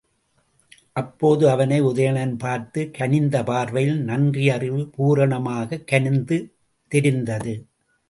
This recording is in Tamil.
அப்போது அவனை உதயணன் பார்த்த கனிந்த பார்வையில் நன்றியறிவு பூரணமாகக் கனிந்து தெரிந்தது.